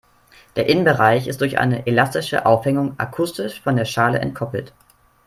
Der Innenbereich ist durch eine elastische Aufhängung akustisch von der Schale entkoppelt.